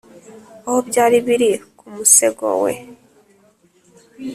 aho byari biri ku musego we.